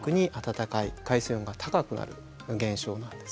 海水温が高くなる現象なんです。